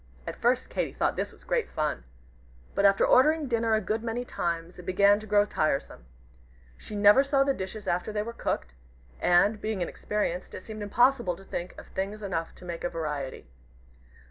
At first Katy thought this great fun. But after ordering dinner a good many times, it began to grow tiresome. She never saw the dishes after they were cooked; and, being inexperienced, it seemed impossible to think of things enough to make a variety.